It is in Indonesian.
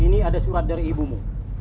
ini ada surat dari ibumu